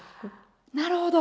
なるほど。